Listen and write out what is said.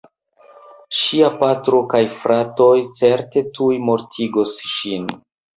Ŝia patro kaj fratoj certe tuj mortigos ŝin.